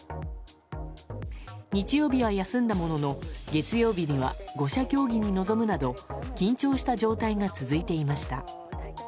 日曜日は休んだものの月曜日には５者協議に臨むなど緊張した状態が続いていました。